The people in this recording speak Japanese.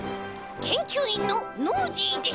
けんきゅういんのノージーです。